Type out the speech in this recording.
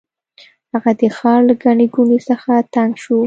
هغه د ښار له ګڼې ګوڼې څخه تنګ شو.